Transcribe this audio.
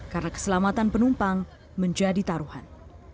karena keselamatan penumpang menjadi taruhan